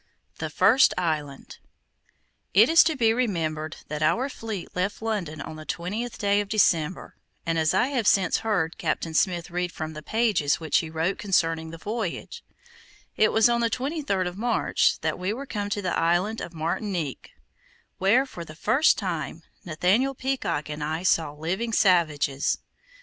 THE FIRST ISLAND It is to be remembered that our fleet left London on the twentieth day of December, and, as I have since heard Captain Smith read from the pages which he wrote concerning the voyage, it was on the twenty third of March that we were come to the island of Martinique, where for the first time Nathaniel Peacock and I saw living savages.